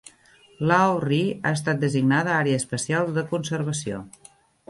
Lough Ree ha estat designada Àrea Especial de Conservació.